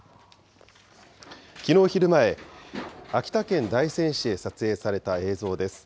きのう昼前、秋田県大仙市で撮影された映像です。